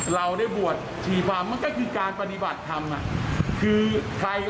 เราได้บวชชีพาร์มมันก็คือการปฏิบัติธรรมคือใครก็